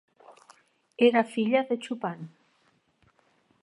Era filla de Chupan.